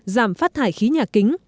giảm phát thải khí nhà kính